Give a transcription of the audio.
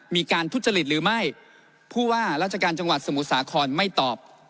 มีการทุจริตหรือไม่ผู้ว่าราชการจังหวัดสมุทรสาครไม่ตอบ